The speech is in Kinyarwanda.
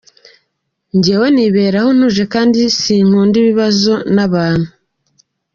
Njyewe niberaho ntuje kandi sinkunda ibibazo n’abantu.